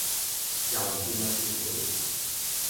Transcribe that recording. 又唔見我撤回